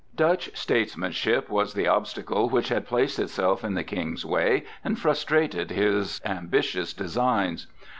Dutch statesmanship was the obstacle which had placed itself in the King's way and frustrated his ambitious designs.